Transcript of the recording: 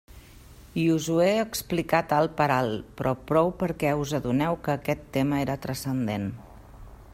I us ho he explicat alt per alt, però prou perquè us adoneu que aquest tema era transcendent.